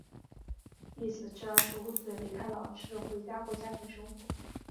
弟子至二十五岁离开老师回家过家庭生活。